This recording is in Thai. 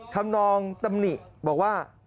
นองตำหนิบอกว่า